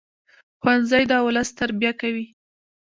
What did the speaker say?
ښوونځی د ولس تربیه کوي